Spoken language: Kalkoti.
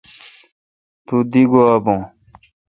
تو تی گوا بھو۔